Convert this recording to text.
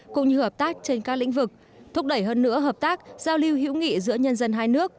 cũng như hợp tác trên các lĩnh vực thúc đẩy hơn nữa hợp tác giao lưu hữu nghị giữa nhân dân hai nước